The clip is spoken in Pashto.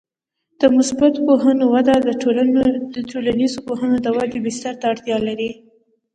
د مثبته پوهنو وده د ټولنیزو پوهنو د ودې بستر ته اړتیا لري.